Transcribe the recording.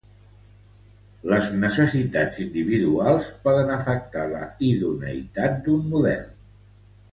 Les necessitats individuals poden afectar la idoneïtat d'un model.